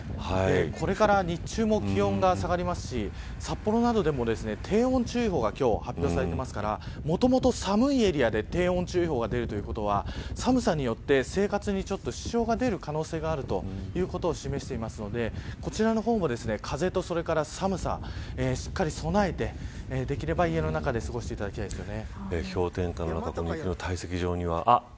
これから日中も気温が下がりますし札幌などでも、低温注意報が今日、発表されていますからもともと寒いエリアで低温注意報が出ることは寒さによって生活に支障が出る可能性があるということを示しているのでこちらの方も風と、それから寒さしっかり備えてできれば家の中で過ごしていただきたいですね。